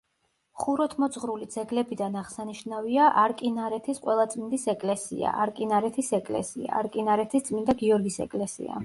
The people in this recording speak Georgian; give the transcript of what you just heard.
ხუროთმოძღვრული ძეგლებიდან აღსანიშნავია: არკინარეთის ყველაწმინდის ეკლესია, არკინარეთის ეკლესია, არკინარეთის წმინდა გიორგის ეკლესია.